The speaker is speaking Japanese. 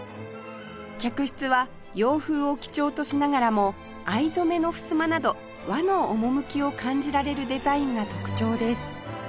客室は洋風を基調としながらも藍染めのふすまなど和の趣を感じられるデザインが特徴です